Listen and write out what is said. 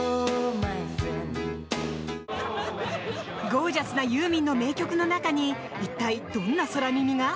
ゴージャスなユーミンの名曲の中に一体、どんな空耳が？